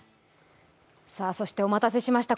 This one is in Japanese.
そしてお待たせしました。